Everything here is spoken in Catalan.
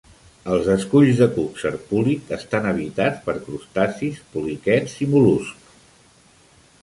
Els esculls de cuc serpúlid estan habitats per crustacis, poliquets i mol·luscs.